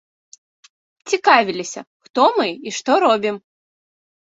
Цікавіліся, хто мы і што робім.